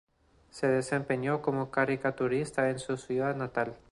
Se desempeñó como caricaturista en su ciudad natal.